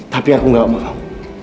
tapi aku gak mau